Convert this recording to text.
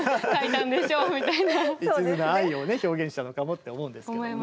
いちずな愛をね表現したのかもって思うんですけどね。